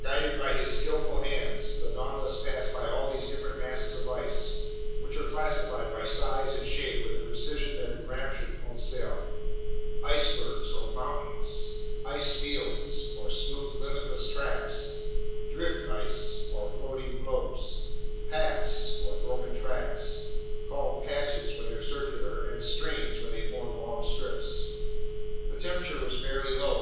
Guided by his skillful hands, the Nautilus passed by all these different masses of ice, which are classified by size and shape with a precision that enraptured Conseil: "icebergs," or mountains; "ice fields," or smooth, limitless tracts; "drift ice," or floating floes; "packs," or broken tracts, called "patches" when they're circular and "streams" when they form long strips. The temperature was fairly low.